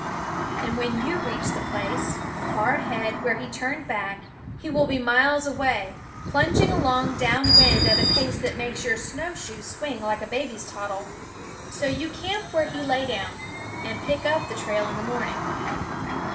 And when you reach the place, far ahead, where he turned THE WOODS 9 back he will be miles away, plunging along down wind at a pace that makes your snow shoe swing like a baby's toddle. So you camp where he lay down, and pick up the trail in the morning.